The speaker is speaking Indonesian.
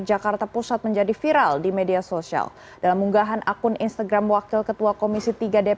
jakarta pusat menjadi viral di media sosial dalam unggahan akun instagram wakil ketua komisi tiga dpr